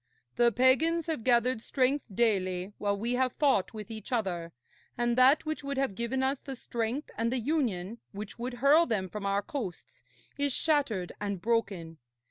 'The pagans have gathered strength daily while we have fought with each other, and that which would have given us the strength and the union which would hurl them from our coasts is shattered and broken.